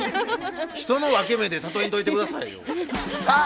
人の分け目で例えんといて下さいよ。